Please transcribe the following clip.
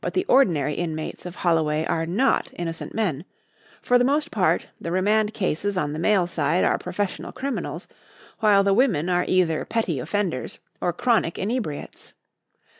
But the ordinary inmates of Holloway are not innocent men; for the most part, the remand cases on the male side are professional criminals, while the women are either petty offenders or chronic inebriates.